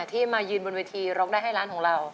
ที่มายืนบนเวทีร้องได้ให้ร้านของเรา